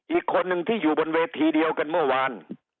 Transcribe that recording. อีกคนนึงที่อยู่บนเวทีเดียวกันเมื่อวาน